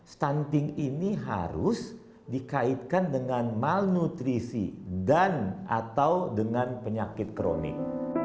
stunting ini harus dikaitkan dengan malnutrisi dan atau dengan penyakit kronik